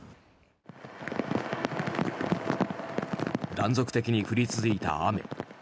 断続的に降り続いた雨。